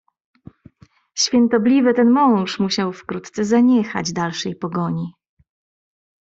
"Świętobliwy ten mąż musiał wkrótce zaniechać dalszej pogoni."